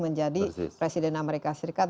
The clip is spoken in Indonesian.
menjadi presiden amerika serikat